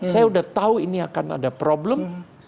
saya udah tau ini akan ada problem